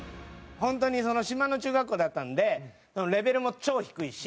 ホントにその島の中学校だったんでレベルも超低いし。